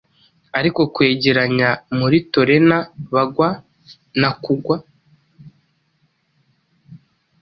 ariko kwegeranya, muri torena Bagwa na kugwa;